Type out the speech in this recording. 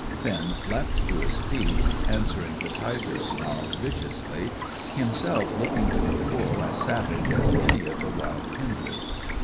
Finn leapt to his feet, answering the tiger's snarl viciously, himself looking to the full as savage as any of the wild kindred.